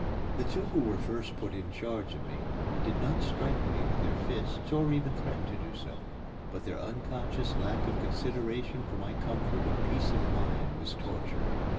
The two who were first put in charge of me did not strike me with their fists or even threaten to do so; but their unconscious lack of consideration for my comfort and peace of mind was torture.